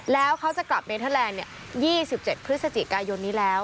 แล้วเขาจะกลับเนเทอร์แลนด์๒๗พฤศจิกายนนี้แล้ว